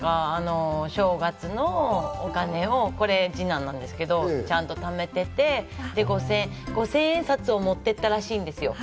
正月のお金をこれ、二男なんですけど、ちゃんと貯めていて、５０００円札を持ってたらしいんですよ。